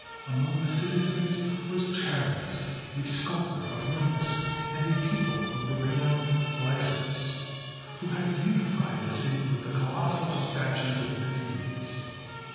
Among the citizens was Chares, a sculptor of Lindus, and THE COLOSSUS OF RHODES 161 a pupil of the renowned Lysippus, who had beau tified the city with the colossal statues of the deities.